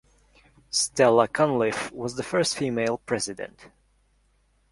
Stella Cunliffe was the first female president.